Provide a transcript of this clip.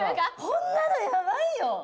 こんなのヤバいよ